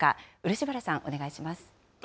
漆原さん、お願いします。